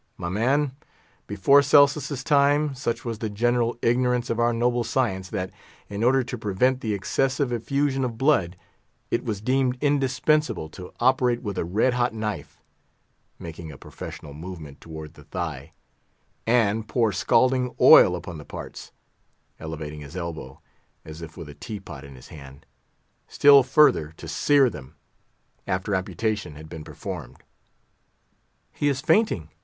My man, before Celsus's time, such was the general ignorance of our noble science, that, in order to prevent the excessive effusion of blood, it was deemed indispensable to operate with a red hot knife"—making a professional movement toward the thigh—"and pour scalding oil upon the parts"—elevating his elbow, as if with a tea pot in his hand—"still further to sear them, after amputation had been performed." "He is fainting!"